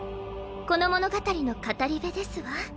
この物語の語り部ですわ。